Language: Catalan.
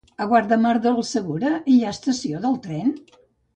A Guardamar del Segura hi ha estació de tren?